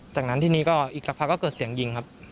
จากนั้นทีนี้ก็อีกสักพักก็เกิดเสียงยิงครับ